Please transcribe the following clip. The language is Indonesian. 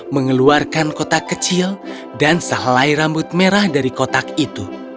mengeluarkan kotak kecil dan sehelai rambut merah dari kotak itu